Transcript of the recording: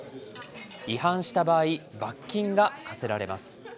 違反した場合、罰金が科せられます。